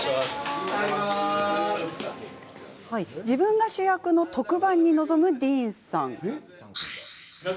自分が主役の特番に臨むディーンさん。